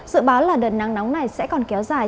dự báo là đợt nắng nóng này sẽ còn kéo dài